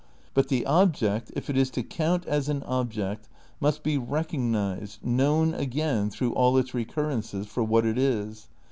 But the object, if it is to count as an object, must be recognised, known again, through all its recurrences, for what it is.